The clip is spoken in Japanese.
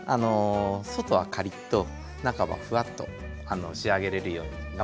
外はカリッと中はフワッと仕上げれるように頑張っていきます。